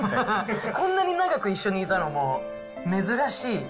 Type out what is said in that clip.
こんなに長く一緒にいたのも珍しい。